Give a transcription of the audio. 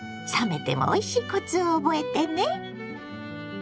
冷めてもおいしいコツを覚えてね。